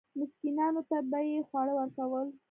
مسکینانو ته به یې خواړه ورکول.